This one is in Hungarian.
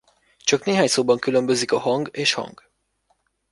Csak néhány szóban különbözik a hang és hang.